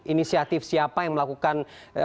inisiatif siapa yang melakukan